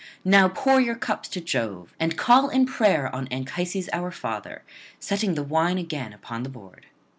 Now pour your cups to Jove, and call in prayer on Anchises our father, setting the wine again upon the board.'